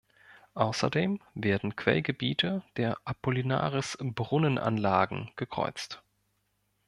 Außerdem werden Quellgebiete der Apollinaris-Brunnenanlagen gekreuzt.